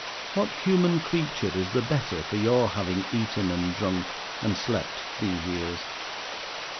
What human creature is the better for your having eaten and drunk and slept these years?